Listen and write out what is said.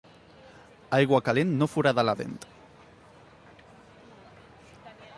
Aigua calent no forada la dent.